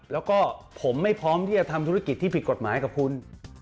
แล้วก็ผมไม่พร้อมที่จะทำธุรกิจที่ผิดกฎหมายกับคุณ